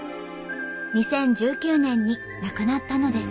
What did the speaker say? ２０１９年に亡くなったのです。